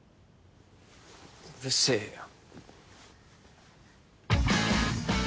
うるせえよ